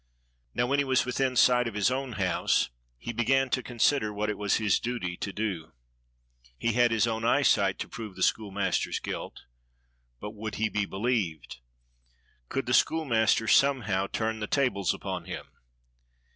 Now, when he was within sight of his own house, he began to consider what it was his duty to do. He had 70 DOCTOR SYN GIVES SOME ADVICE 71 his own eyesight to prove the schoolmaster's guilt; but would he be believed? Could the schoolmaster some how turn the tables upon him?